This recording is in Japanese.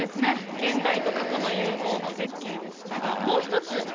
現代と過去の融合の絶景でしたがもう一つ